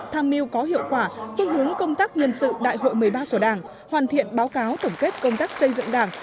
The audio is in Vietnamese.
tham mưu có hiệu quả phương hướng công tác nhân sự đại hội một mươi ba của đảng hoàn thiện báo cáo tổng kết công tác xây dựng đảng